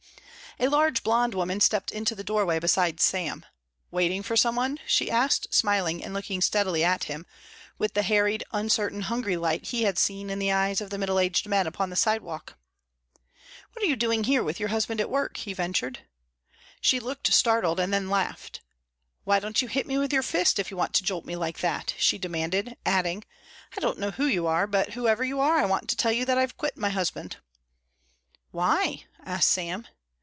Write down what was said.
A large blond woman stepped into the doorway beside Sam. "Waiting for some one?" she asked, smiling and looking steadily at him, with the harried, uncertain, hungry light he had seen in the eyes of the middle aged men upon the sidewalk. "What are you doing here with your husband at work?" he ventured. She looked startled and then laughed. "Why don't you hit me with your fist if you want to jolt me like that?" she demanded, adding, "I don't know who you are, but whoever you are I want to tell you that I've quit my husband." "Why?" asked Sam.